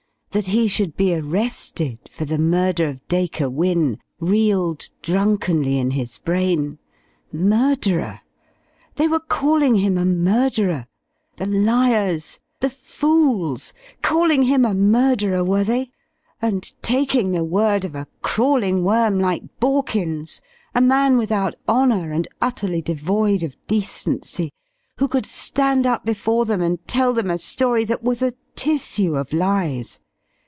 That he should be arrested for the murder of Dacre Wynne reeled drunkenly in his brain. Murderer! They were calling him a murderer! The liars! The fools! Calling him a murderer, were they? And taking the word of a crawling worm like Borkins, a man without honour and utterly devoid of decency, who could stand up before them and tell them a story that was a tissue of lies.